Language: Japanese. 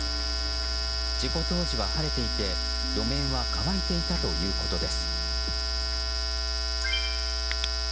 事故当時は晴れていて路面は乾いていたということです。